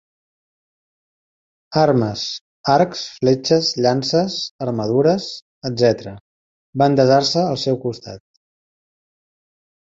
Armes - arcs, fletxes, llances, armadures, etc - van desar-se al seu costat.